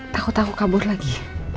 takut aku kabur lagi